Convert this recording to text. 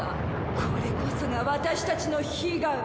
これこそが私たちの悲願！